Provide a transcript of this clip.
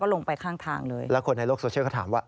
แล้วคนในโลกโซเชียลก็ถามว่า